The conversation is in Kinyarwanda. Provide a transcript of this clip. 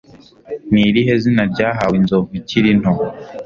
Ni irihe zina ryahawe inzovu ikiri nto?